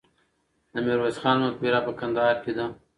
د میرویس خان مقبره په کندهار کې ده.